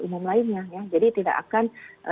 umum lainnya ya jadi tidak akan